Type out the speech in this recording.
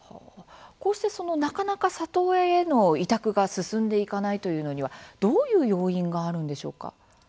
こうしてなかなか里親への委託が進んでいかないというのにはどういう要因があるんでしょうか？